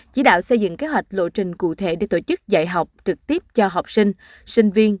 chỉ đạo xây dựng kế hoạch lộ trình cụ thể để tổ chức dạy học trực tiếp cho học sinh sinh viên